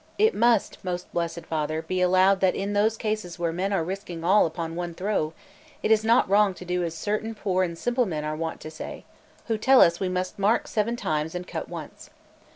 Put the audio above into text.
It must, most blessed Father, be allowed that in those cases where men are risking all upon one throw, it is not wrong to do as certain poor and simple men are wont to say, who tell us we must mark seven times and cut once.